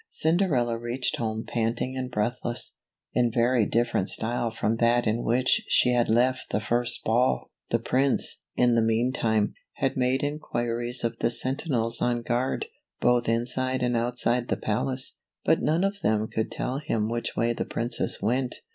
Cinderella reached home panting and breathless, in very different style from that in which she had left the first ball. The Prince, in the meantime, had made inquiries of the sentinels on guard, both inside and outside the palace, but none of them could tell him which way the Princess went.